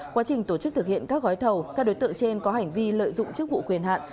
quá trình tổ chức thực hiện các gói thầu các đối tượng trên có hành vi lợi dụng chức vụ quyền hạn